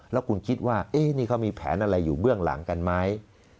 แล้วคุณคิดว่านี่เขามีแผนอะไรอยู่เบื้องหลังกันไหม